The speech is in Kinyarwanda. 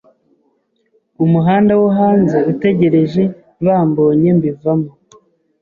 Umuhanda wo hanze utegerejeBambonye mbivamo